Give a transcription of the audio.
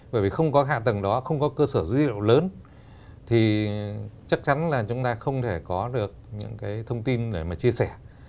bởi vì không có hạ tầng đó không có cơ sở dữ liệu lớn thì chắc chắn là chúng ta không thể có được những cái thông tin để mà chia sẻ